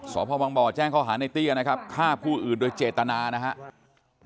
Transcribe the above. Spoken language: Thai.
สพวังบ่อแจ้งข้อหาในเตี้ยนะครับฆ่าผู้อื่นโดยเจตนานะครับ